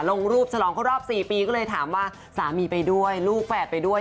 ลงรูปฉลองเข้ารอบ๔ปีก็เลยถามว่าสามีไปด้วยลูกแฝดไปด้วย